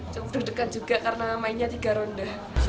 cukup deg degan juga karena mainnya tiga ronda